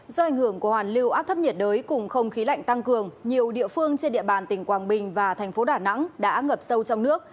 do ảnh hưởng của hoàn lưu áp thấp nhiệt đới cùng không khí lạnh tăng cường nhiều địa phương trên địa bàn tỉnh quảng bình và thành phố đà nẵng đã ngập sâu trong nước